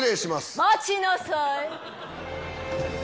待ちなさい。